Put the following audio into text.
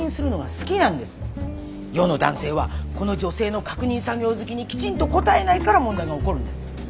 世の男性はこの女性の確認作業好きにきちんと答えないから問題が起こるんです。